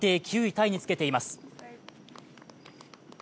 タイにつけています。